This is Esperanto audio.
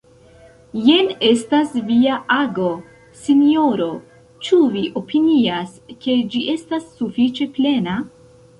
Jen estas via ago, sinjoro: ĉu vi opinias, ke ĝi estas sufiĉe plena?